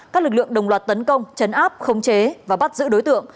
các lực lượng đồng loạt tấn công chấn áp khống chế và bắt giữ đối tượng